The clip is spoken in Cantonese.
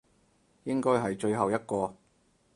應該係最後一個